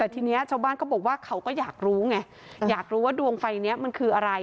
แต่ทีนี้ชาวบ้านก็บอกว่าเขาก็อยากรู้ไงอยากรู้ว่าดวงไฟนี้มันคืออะไร